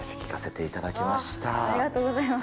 ありがとうございます。